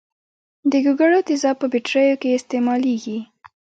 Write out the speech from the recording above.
د ګوګړو تیزاب په بټریو کې استعمالیږي.